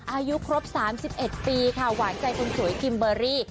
อายุครบสามสิบเอ็ดปีค่ะหวานใจคนสวยกิมเบอรี่